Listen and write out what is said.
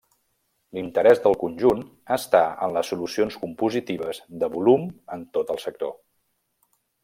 L'interès del conjunt està en les solucions compositives de volum en tot el sector.